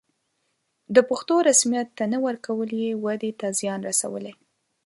د پښتو رسميت ته نه ورکول یې ودې ته زیان رسولی.